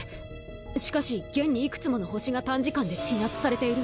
しかし現に幾つもの星が短時間で鎮圧されている。